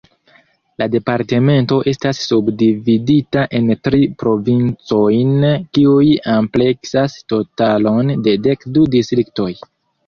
La departemento estas subdividita en tri provincojn, kiuj ampleksas totalon de dek du distriktoj.